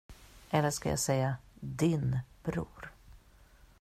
Eller ska jag säga "din bror"?